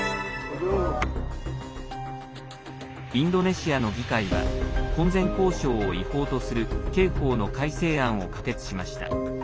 インドネシアの議会は婚前交渉を違法とする刑法の改正案を可決しました。